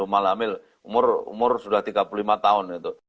umur sudah tiga puluh lima tahun gitu